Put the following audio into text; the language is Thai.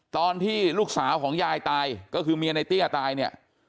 ตอนที่ลูกสาวของยายตายก็คือเมียในเตี้ยตายเนี่ย